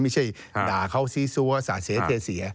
ไม่ใช่ด่าเขาซีซัวสาเสีย